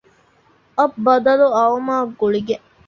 އަށް ބަދަލުއައުމާ ގުޅިގެން